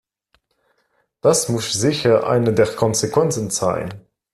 Das muss sicher eine der Konsequenzen sein.